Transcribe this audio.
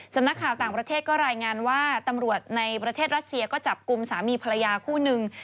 สำนักข่าวต่างประเทศก็รายงานว่าตำรวจในประเทศรัสเซียก็จับกลุ่มสามีภรรยาคู่นึง